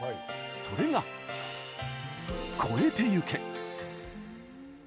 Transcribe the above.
それが「超えてゆけ。」。